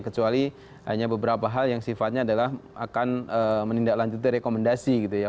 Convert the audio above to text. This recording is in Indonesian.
kecuali hanya beberapa hal yang sifatnya adalah akan menindaklanjuti rekomendasi gitu ya